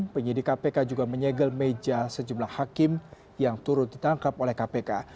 penyidik kpk juga menyegel meja sejumlah hakim yang turut ditangkap oleh kpk